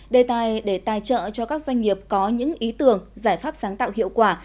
đề tài để tài trợ cho các doanh nghiệp có những ý tưởng giải pháp sáng tạo hiệu quả